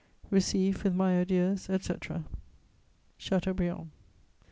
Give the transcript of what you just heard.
"Receive, with my adieus, etc., "CHATEAUBRIAND."